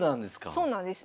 そうなんです。